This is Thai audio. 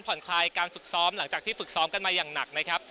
คลายการฝึกซ้อมหลังจากที่ฝึกซ้อมกันมาอย่างหนักนะครับ